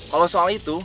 kalau soal itu